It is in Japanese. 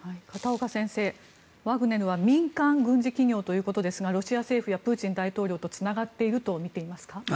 片岡先生、ワグネルは民間軍事企業ということですがロシア政府やプーチン大統領とつながっているとみていますか？